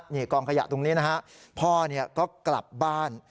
นี่กองขยะตรงนี้นะฮะพ่อก็กลับบ้าน